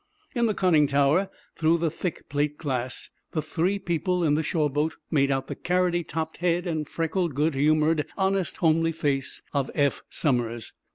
In the conning tower, through the thick plate glass, the three people in the shore boat made out the carroty topped head and freckled, good humored, honest, homely face of Eph Somers.